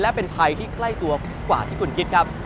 และเป็นภัยที่ใกล้ตัวกว่าที่คุณคิดครับ